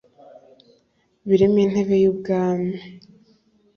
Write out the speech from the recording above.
birimo intebe y’umwami